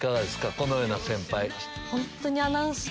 このような先輩。